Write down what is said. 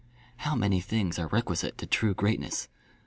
How many things are requisite to true greatness!